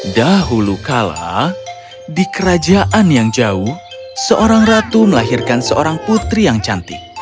dahulu kala di kerajaan yang jauh seorang ratu melahirkan seorang putri yang cantik